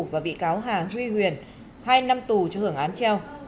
và bị cáo hà huy huyền hai năm tù cho hưởng án treo